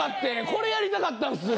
これやりたかったんすよ。